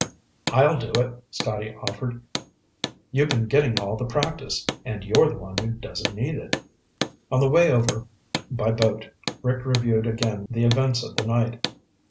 "I'll do it," Scotty offered. "You've been getting all the practice, and you're the one who doesn't need it." On the way over by boat, Rick reviewed again the events of the night.